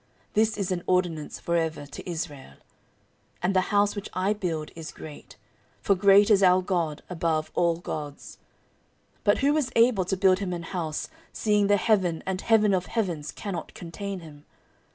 This is an ordinance for ever to Israel. 14:002:005 And the house which I build is great: for great is our God above all gods. 14:002:006 But who is able to build him an house, seeing the heaven and heaven of heavens cannot contain him?